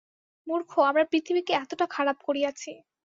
মূর্খ আমরা পৃথিবীকে এতটা খারাপ করিয়াছি।